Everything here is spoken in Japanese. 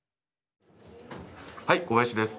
はい小林です。